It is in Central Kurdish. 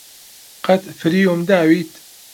قەت فریوم داویت؟